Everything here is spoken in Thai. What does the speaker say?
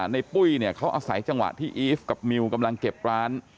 ปุ้ยเนี่ยเขาอาศัยจังหวะที่อีฟกับมิวกำลังเก็บร้าน